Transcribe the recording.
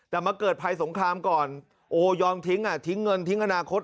แต่มาเกิดภัยสงครามก่อนโอ้ยอมทิ้งอ่ะทิ้งเงินทิ้งอนาคต